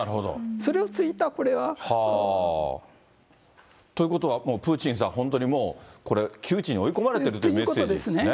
それをついた、これは。ということはもう、もうプーチンさん、本当にもう、これ、窮地に追い込まれてるというメッセージですね。